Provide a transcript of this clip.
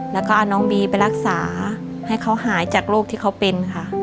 แล้วก็เอาน้องบีไปรักษาให้เขาหายจากโรคที่เขาเป็นค่ะ